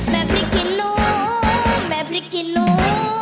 แม่พริกขี่หนูแม่พริกขี่หนู